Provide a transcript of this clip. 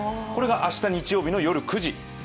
これが明日日曜日の夜９時。